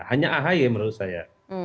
hanya ahy menurut saya